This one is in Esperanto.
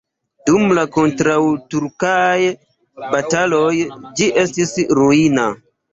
Dum la kontraŭturkaj bataloj ĝi estis ruina.